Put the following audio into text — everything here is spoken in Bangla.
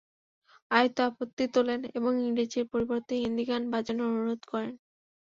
আদিত্য আপত্তি তোলেন এবং ইংরেজির পরিবর্তে হিন্দি গান বাজানোর অনুরোধ করেন।